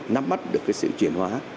nắm mắt được cái sự chuyển hóa